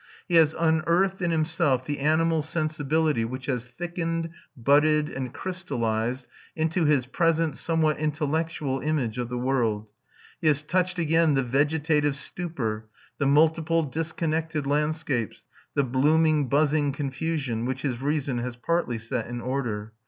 He has unearthed in himself the animal sensibility which has thickened, budded, and crystallised into his present somewhat intellectual image of the world. He has touched again the vegetative stupor, the multiple disconnected landscapes, the "blooming buzzing confusion" which his reason has partly set in order.